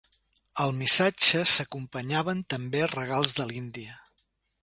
Al missatge s'acompanyaven també regals de l'Índia.